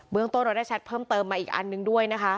เมืองต้นเราได้แชทเพิ่มเติมมาอีกอันนึงด้วยนะคะ